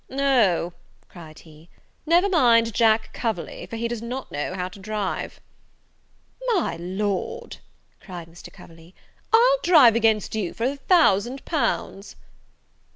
"O," cried he, "never mind Jack Coverley; for he does not know how to drive." "My Lord," cried Mr. Coverley, "I'll drive against you for a thousand pounds."